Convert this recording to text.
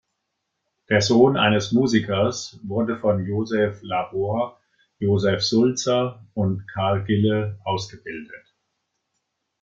Der Sohn eines Musikers wurde von Josef Labor, Josef Sulzer und Karl Gille ausgebildet.